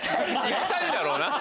行きたいんだろうな。